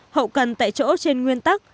hậu cần tại chỗ trên nguyên tắc